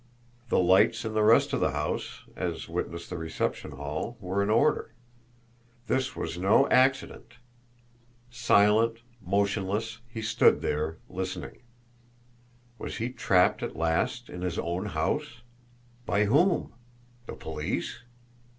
The lights in the rest of the house, as witness the reception hall, were in order. This was no ACCIDENT! Silent, motionless, he stood there, listening. Was he trapped at last in his own house! By whom? The police?